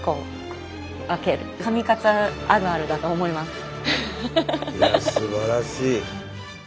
すごい！いやすばらしい！